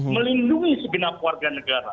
melindungi segenap warga negara